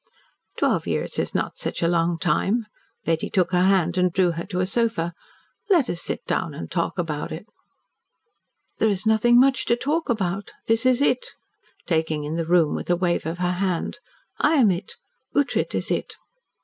"Twelve years is not such a long time." Betty took her hand and drew her to a sofa. "Let us sit down and talk about it." "There is nothing much to talk about. This is it " taking in the room with a wave of her hand. "I am it. Ughtred is it."